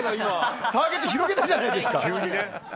ターゲット広げたじゃないですか！